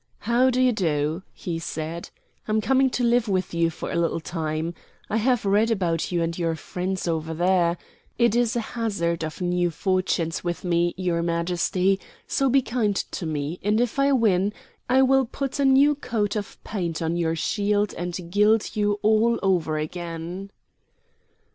"How do you do?" he said. "I'm coming to live with you for a little time. I have read about you and your friends over there. It is a hazard of new fortunes with me, your Majesty, so be kind to me, and if I win, I will put a new coat of paint on your shield and gild you all over again."